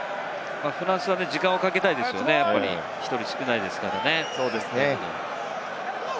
フランスは時間をかけたいですよね、１人少ないですからね。